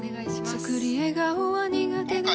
作り笑顔は苦手です。